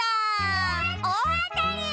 おおあたり！